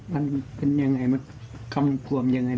มันเป็นอย่างไรมีคำควรอย่างไร